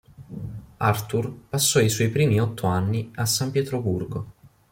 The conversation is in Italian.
Arthur passò i suoi primi otto anni a San Pietroburgo.